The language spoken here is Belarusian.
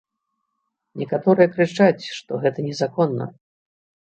Некаторыя крычаць, што гэта незаконна.